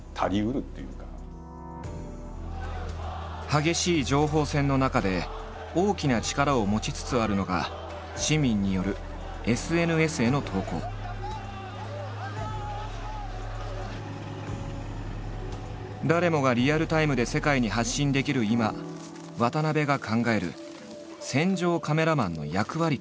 激しい情報戦の中で大きな力を持ちつつあるのが市民による誰もがリアルタイムで世界に発信できる今渡部が考える戦場カメラマンの役割とは？